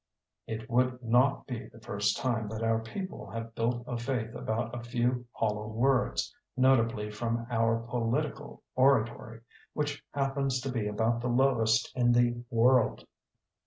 (It would not be the first time that our people have built a faith about a few hollow words — ^notably from our political oratory, which hap pens to be about the lowest in the world.)